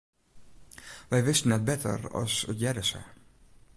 Wy wisten net better as it hearde sa.